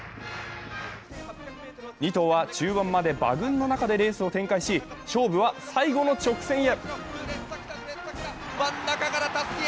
２頭は中盤まで馬群の中でレースを展開し、勝負は最後の直線へ。